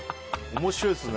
面白いですね。